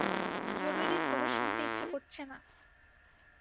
জরুরি খবর শুনতে ইচ্ছা করছে না।